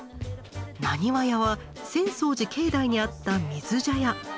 難波屋は浅草寺境内にあった水茶屋。